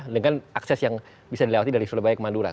dengan akses yang bisa dilewati dari surabaya ke madura